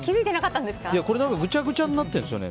ぐちゃぐちゃになっているんですよね。